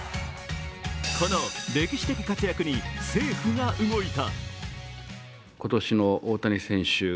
この歴史的活躍に政府が動いた。